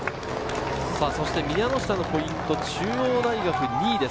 宮ノ下のポイント、中央大学２位です。